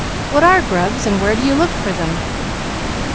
"What are grubs and where do you look for them?"